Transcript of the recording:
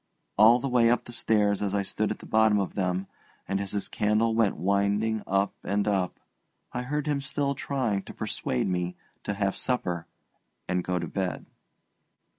All the way up the old stairs as I stood at the bottom of them, and as his candle went winding up and up, I heard him still trying to persuade me to have supper and go to bed.